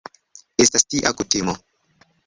Estas tia kutimo.